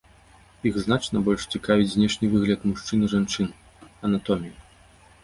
Іх значна больш цікавіць знешні выгляд мужчын і жанчын, анатомія.